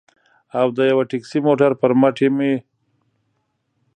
او د یوه ټکسي موټر پر مټ مې.